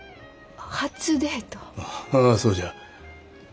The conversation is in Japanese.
ああそうじゃ。